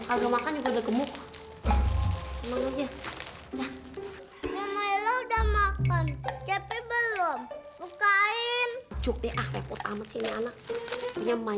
kalo lo kaga keluar liat pembalasan gua